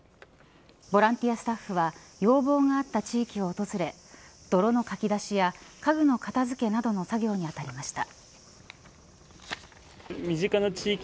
ボランティアスタッフは要望があった地域を訪れ泥のかき出しや家具の片付けなどの作業に当たりました。